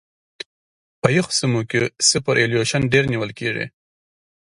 په یخو سیمو کې سوپرایلیویشن ډېر نیول کیږي